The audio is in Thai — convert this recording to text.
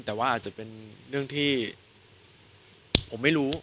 แต่ว่าอาจจะเป็นเรื่องที่ผมไม่รู้